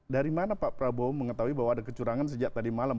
dari mana pak prabowo mengetahui bahwa ada kecurangan sejak tadi malam